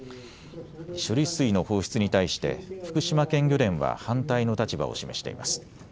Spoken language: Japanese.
処理水の放出に対して福島県漁連は反対の立場を示しています。